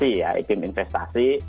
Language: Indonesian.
kemudian juga kepastian dari berinvestasi